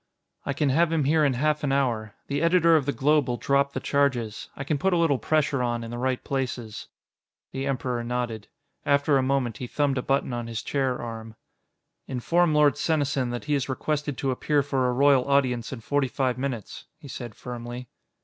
"I can have him here in half an hour. The editor of the Globe will drop the charges. I can put a little pressure on in the right places." The Emperor nodded. After a moment, he thumbed a button on his chair arm. "Inform Lord Senesin that he is requested to appear for a Royal Audience in forty five minutes," he said firmly.